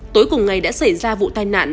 tối cùng ngày đã xảy ra vụ tai nạn